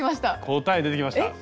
答え出てきました。